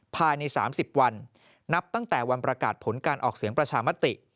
ภายใน๓๐วันนับตั้งแต่วันประกาศผลการออกเสียงประชามติ